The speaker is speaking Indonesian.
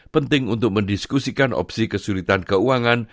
penting untuk mendiskusikan opsi kesulitan keuangan